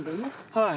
はい。